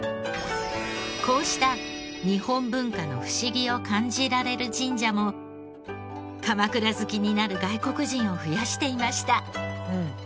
こうした日本文化の不思議を感じられる神社も鎌倉好きになる外国人を増やしていました。